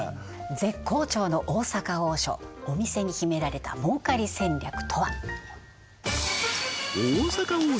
絶好調の大阪王将お店に秘められた儲かり戦略とは！？